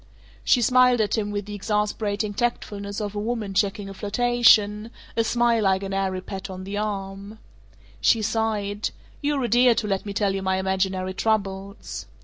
She smiled at him with the exasperating tactfulness of a woman checking a flirtation; a smile like an airy pat on the arm. She sighed, "You're a dear to let me tell you my imaginary troubles."